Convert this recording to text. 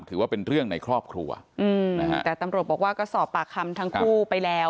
ถือว่าเป็นเรื่องในครอบครัวอืมนะฮะแต่ตำรวจบอกว่าก็สอบปากคำทั้งคู่ไปแล้ว